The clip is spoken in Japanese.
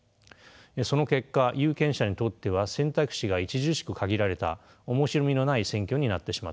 その結果有権者にとっては選択肢が著しく限られた面白みのない選挙になってしまったのです。